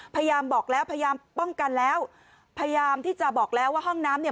พยายามบอกแล้วพยายามป้องกันแล้วพยายามที่จะบอกแล้วว่าห้องน้ำเนี่ย